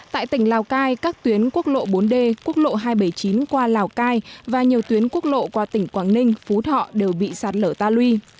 tại tỉnh lào cai các tuyến quốc lộ bốn d quốc lộ hai trăm bảy mươi chín qua lào cai và nhiều tuyến quốc lộ qua tỉnh quảng ninh phú thọ đều bị sạt lở ta lui